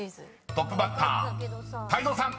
［トップバッター泰造さん］